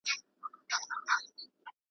زه دي ستا لپاره غواړم نور مي نسته غرضونه .